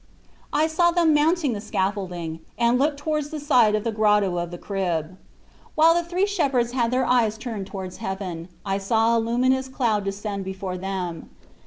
I saw them mount the scaffolding and look towards the side of the Grotto of the Crib. While the three shepherds had their eyes turned towards heaven, I saw a luminous cloud descend before them.